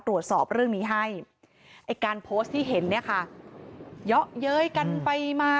ตรวจสอบเรื่องนี้ให้ไอ้การโพสต์ที่เห็นเนี่ยค่ะเยอะเย้ยกันไปมา